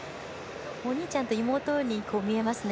お兄ちゃんと妹に見えますね。